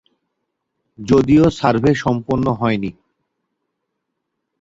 যদিও সার্ভে সম্পন্ন হয়নি।